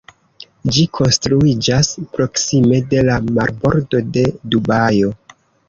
Ĝi konstruiĝas proksime de la marbordo de Dubajo.